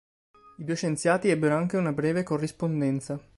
I due scienziati ebbero anche una breve corrispondenza.